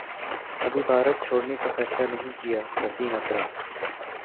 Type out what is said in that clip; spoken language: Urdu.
ابھی بھارت چھوڑنے کافیصلہ نہیں کیا وسیم اکرم